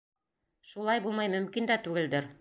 Шулай булмай мөмкин дә түгелдер.